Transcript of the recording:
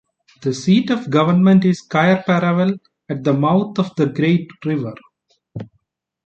The seat of government is Cair Paravel, at the mouth of the Great River.